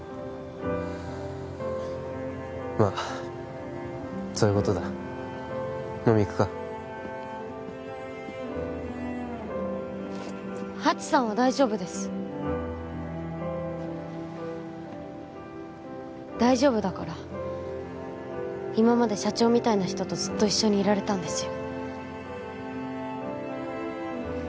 まあそういうことだ飲み行くかハチさんは大丈夫です大丈夫だから今まで社長みたいな人とずっと一緒にいられたんですよ